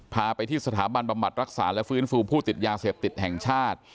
พาไปที่สถาบันบำบัดรักษาและฟื้นฟูผู้ติดยาเสพติดแห่งชาติ